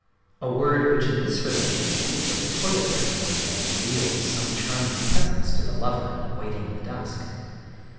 —a word which in this relation hints of the toilet perfume that reveals some charming presence to the lover waiting in the dusk.